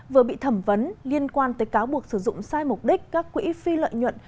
vừa bị thẩm vấn liên quan tới cáo buộc sử dụng sai mục đích các quỹ phi lợi nhuận